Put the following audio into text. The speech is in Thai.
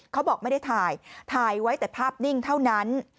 เขาบอกไม่ได้ถ่ายถ่ายไว้แต่ภาพนิ่งเท่านั้น